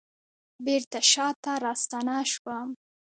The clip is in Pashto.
بیرته شاته راستنه شوم